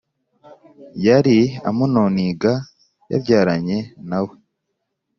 yari Amunoniga yabyaranye nawe